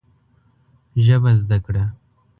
ژبه زده کړه ده